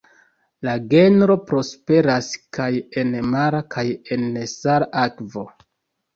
La genro prosperas kaj en mara kaj en nesala akvo.